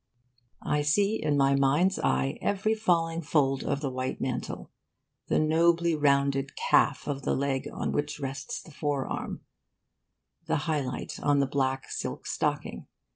I see in my mind's eye every falling fold of the white mantle; the nobly rounded calf of the leg on which rests the forearm; the high light on the black silk stocking.